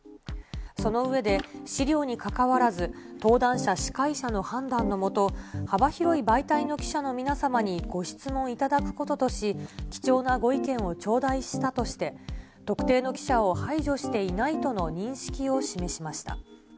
その上で、資料にかかわらず、登壇者、司会者の判断の下、幅広い媒体の記者の皆様にご質問いただくこととし、貴重なご意見を頂戴したとして、特定の記者を排除していないとの認識を示しました。